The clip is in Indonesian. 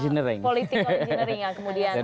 jadi kemudian untuk soal political engineering ya